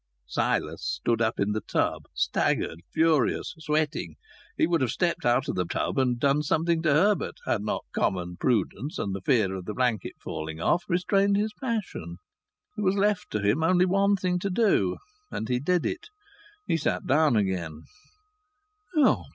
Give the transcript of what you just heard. Silas stood up in the tub, staggered, furious, sweating. He would have stepped out of the tub and done something to Herbert had not common prudence and the fear of the blanket falling off restrained his passion. There was left to him only one thing to do, and he did it. He sat down again.